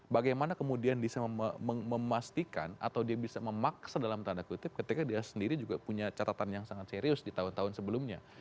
bagaimana kemudian bisa memastikan atau dia bisa memaksa dalam tanda kutip ketika dia sendiri juga punya catatan yang sangat serius di tahun tahun sebelumnya